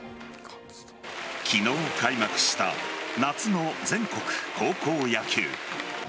昨日開幕した夏の全国高校野球。